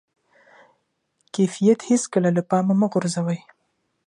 کیفیت هېڅکله له پامه مه غورځوئ.